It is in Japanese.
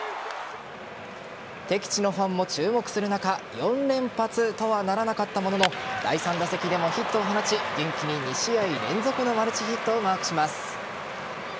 敵地のファンも注目する中４連発とはならなかったものの第３打席でもヒットを放ち元気に２試合連続のマルチヒットをマークします。